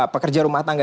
pekerja rumah tangga